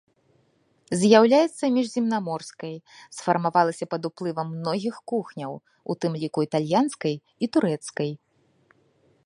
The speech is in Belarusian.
З'яўляецца міжземнаморскай, сфармавалася пад уплывам многіх кухняў, у тым ліку італьянскай і турэцкай.